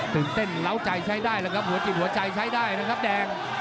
ตื่นเต้นเล้าใจใช้ได้แล้วครับหัวจิตหัวใจใช้ได้นะครับแดง